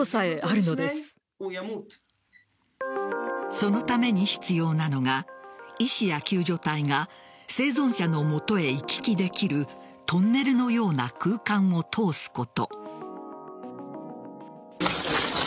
そのために必要なのが医師や救助隊が生存者の元へ行き来できるトンネルのような空間を通すこと。